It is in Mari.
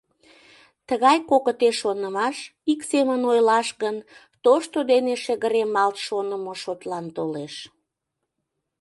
Тыгай кокыте шонымаш, ик семын ойлаш гын, тошто дене шыгыремалт шонымо шотлан толеш.